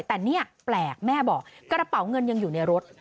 แต่นี่แปลกแม่บอกกระเป๋าเงินยังอยู่ในรถ